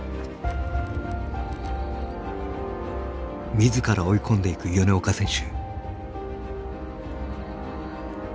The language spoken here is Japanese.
自ら追い込んでいく米岡選手。